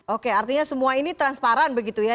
oke artinya semua ini transparan begitu ya